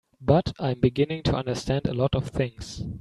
But I'm beginning to understand a lot of things.